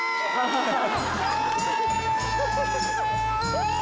うわ！